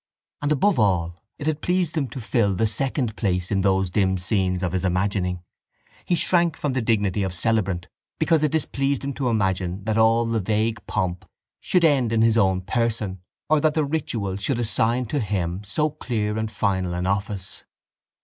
And above all it had pleased him to fill the second place in those dim scenes of his imagining. He shrank from the dignity of celebrant because it displeased him to imagine that all the vague pomp should end in his own person or that the ritual should assign to him so clear and final an office.